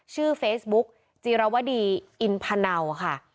ชื่อเฟซบุ๊กจีรวดีอินพนาวค่ะ